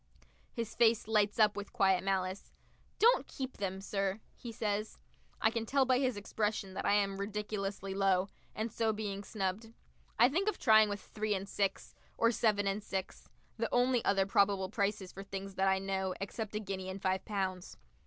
His face lights up with quiet malice. "Don't keep them, sir," he says. I can tell by his expression that I am ridiculously low, and so being snubbed. I think of trying with three and six, or seven and six; the only other probable prices for things that I know, except a guinea and five pounds.